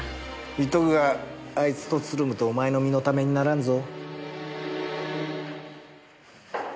言っとくがあいつとつるむとお前の身のためにならんぞ。